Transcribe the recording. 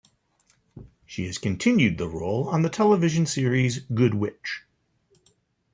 She has continued the role on the television series "Good Witch".